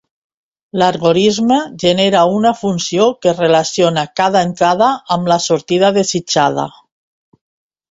L'algorisme genera una funció que relaciona cada entrada amb la sortida desitjada.